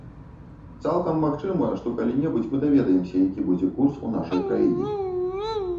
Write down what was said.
Цалкам магчыма, што калі-небудзь мы даведаемся, які будзе курс у нашай краіне.